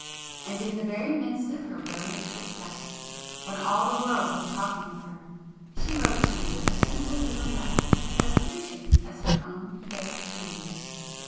And in the very midst of her brilliant success, when all the world was talking of her, she wrote to me, a simple little letter, as gracious as her own fair name.